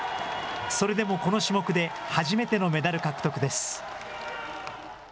それでもこの種目で初めてのメダル獲得です。